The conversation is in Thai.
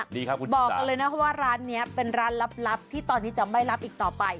บอกอะไรนะว่าร้านนี้เป็นร้านลับที่ตอนนี้จะไม่รับอีกต่อไป